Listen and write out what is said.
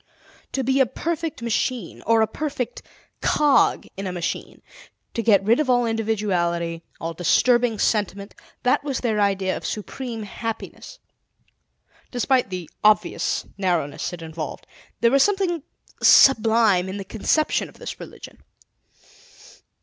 To be a perfect machine, or a perfect cog in a machine, to get rid of all individuality, all disturbing sentiment, that was their idea of supreme happiness. Despite the obvious narrowness it involved, there was something sublime in the conception of this religion.